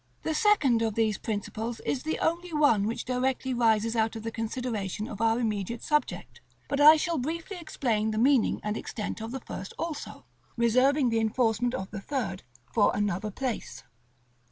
The second of these principles is the only one which directly rises out of the consideration of our immediate subject; but I shall briefly explain the meaning and extent of the first also, reserving the enforcement of the third for another place.